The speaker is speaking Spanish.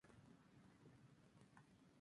My Dad Says de Warner Bros.